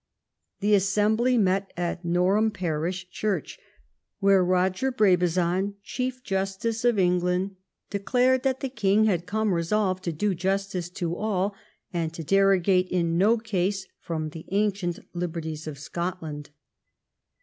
The assembly met in Norham parish church, where Roger Brabazon, Chief Justice of England, declared that the king had come resolved to do justice to all, and to derogate in no case from the ancient liberties of Scotland.